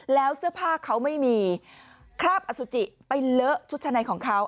แล้วเสื้อผ้าเขาไม่มีคราบอสุจิไปเลอะชุดชะในของเขา